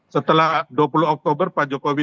setelah dua puluh oktober pak jokowi